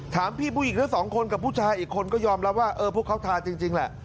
ถามพี่ผู้หญิงทั้งสองคนกับผู้ชายอีกคนก็ยอมรับว่าเออพวกเขาทาจริงแหละ